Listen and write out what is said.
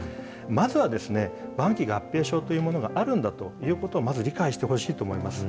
まずは、晩期合併症というものがあるんだということをまず理解してほしいと思います。